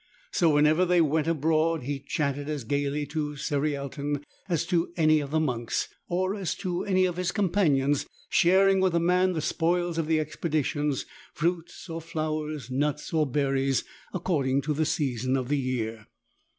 So whenever they went abroad he chatted as gaily to Cerialton as to any of the monks, or as to any of his companions, sharing with the man the spoils of the expeditions, fruits or flowers, nuts or berries, according to the season of the year.